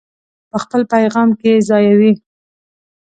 په خپل پیغام کې یې ځایوي.